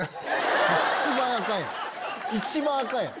一番アカンやん！